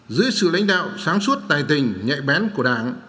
dưới sự lãnh đạo sáng suốt tài tình nhạy bén của đảng